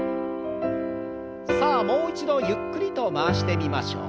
さあもう一度ゆっくりと回してみましょう。